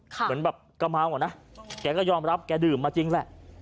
เหมือนแบบก็เมาอะนะแกก็ยอมรับแกดื่มมาจริงแหละ